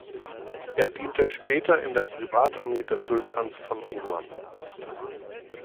Er diente später in der Privatarmee des Sultans von Oman.